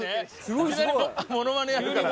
いきなりモノマネやるから。